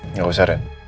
nggak usah ren